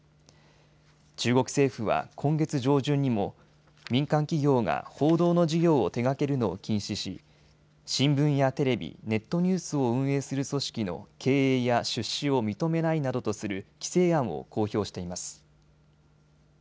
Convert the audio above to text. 中国政府は今月上旬にも民間企業が報道の事業を手がけるのを禁止し新聞やテレビ、ネットニュースを運営する組織の経営や出資を認めないなどとする規制案を公表しています。